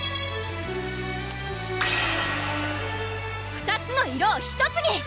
２つの色を１つに！